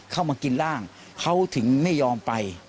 เข้ามากินร่างเขาถึงไม่ยอมไป